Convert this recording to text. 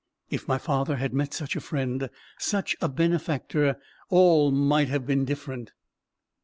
If my father had met such a friend, such a benefactor, all might have been different."